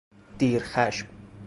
دیر خشم